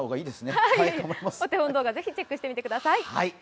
お手本動画、どうぞチェックしてみてください。